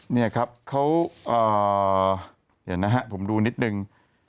เนี่ยครับเขาเอ่อเดี๋ยวนะฮะผมดูนิดนึง